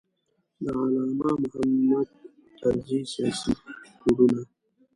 د علامه محمود طرزي سیاسي کوډونه.